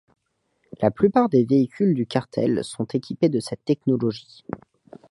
La plupart des véhicules du Cartel sont équipés de cette technologie.